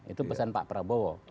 itu pesan pak prabowo